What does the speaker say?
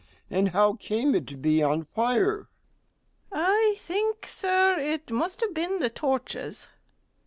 and how came it to be on fire? STEWARD. I think, Sir, it must have been the torches.